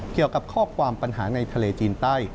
เกี่ยวกับข้อความปัญหาในทะเลจีนใต้